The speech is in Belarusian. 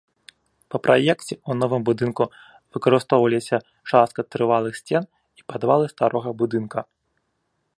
Па праекце ў новым будынку выкарыстоўваліся частка трывалых сцен і падвалы старога будынка.